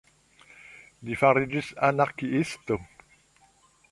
Li fariĝis anarkiisto.